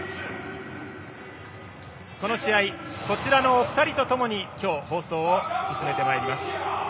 この試合、こちらのお二人と共に今日、放送を進めてまいります。